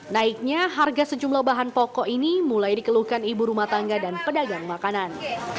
naiknya harga sejumlah bahan pokok ini mulai dikeluhkan ibu rumah tangga dan pedagang makanan